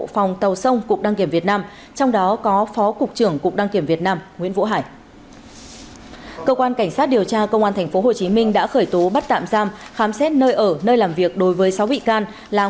trong khi đó liên quan đến những sai phạm tiêu cực trong hoạt động đăng kiểm thủy nội địa cơ quan an ninh điều tra công an tp hcm đã tiến hành khám xét chỗ ở nơi làm việc của hai bị can này